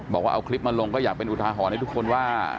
บอกว่าเอาคลิปมาลงก็อยากเป็นอุทาหรณ์ให้ทุกคนว่า